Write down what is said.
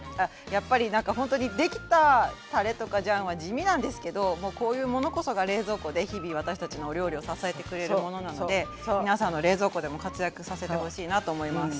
やっぱりほんとにできたたれとかジャンは地味なんですけどもうこういうものこそが冷蔵庫で日々私たちのお料理を支えてくれるものなので皆さんの冷蔵庫でも活躍させてほしいなと思います。